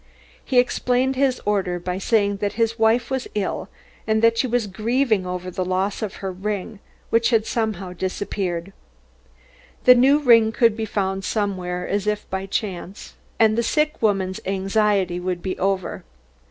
He explained his order by saying that his wife was ill, and that she was grieving over the loss of her wedding ring which had somehow disappeared. The new ring could be found somewhere as if by chance and the sick woman's anxiety would be over.